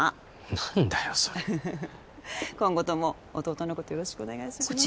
何だよそれ今後とも弟のことよろしくお願いします